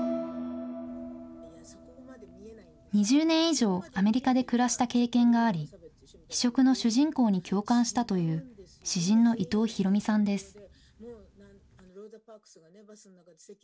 ２０年以上、アメリカで暮らした経験があり、非色の主人公に共感したという、詩人の伊藤比呂美さんです。